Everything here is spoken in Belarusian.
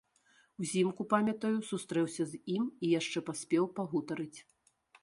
Узімку, памятаю, сустрэўся з ім і яшчэ паспеў пагутарыць.